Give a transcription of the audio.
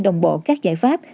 đồng bộ các giải pháp